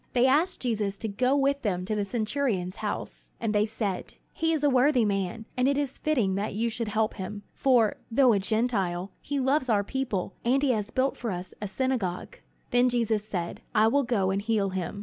They asked Jesus to go with them to the centurion's house; and they said: "He is a worthy man, and it is fitting that you should help him, for, though a Gentile, he loves our people, and he has built for us our synagogue." Then Jesus said, "I will go and heal him."